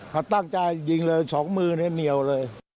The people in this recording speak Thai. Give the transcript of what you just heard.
เขาตั้งใจยิงเลยสองมือในเมียวเลย